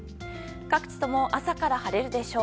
各地とも朝から晴れるでしょう。